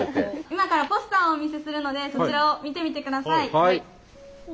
今からポスターをお見せするのでそちらを見てみてください。